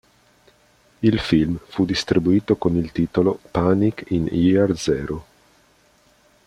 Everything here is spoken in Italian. Il film fu distribuito con il titolo "Panic in Year Zero!